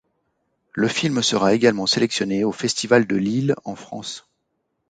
Le film sera également sélectionné au Festival de Lille en France.